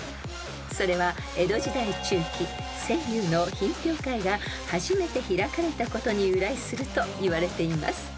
［それは江戸時代中期川柳の品評会が初めて開かれたことに由来するといわれています］